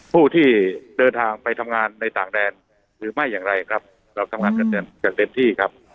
ผู้ที่เดินทางไปทำงานในต่างแดนหรือไม่อย่างไรครับเราทำงานกันอย่างเต็มที่ครับ